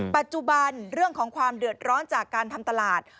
ปัจจุบันเรื่องของความเดือดร้อนจากการทำตลาด